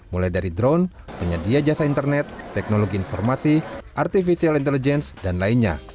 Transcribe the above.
mulai dari drone penyedia jasa internet teknologi informasi artificial intelligence dan lainnya